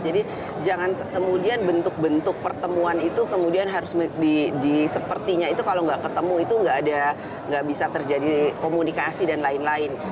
jadi jangan kemudian bentuk bentuk pertemuan itu kemudian harus di sepertinya itu kalau nggak ketemu itu nggak ada nggak bisa terjadi komunikasi dan lain lain